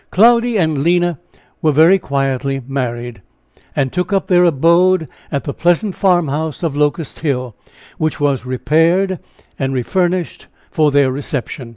Cloudy and Lina were very quietly married, and took up their abode at the pleasant farmhouse of Locust Hill, which was repaired and refurnished for their reception.